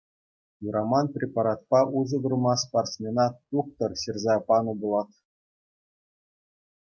Юраман препаратпа усӑ курма спортсмена тухтӑр ҫырса панӑ пулать.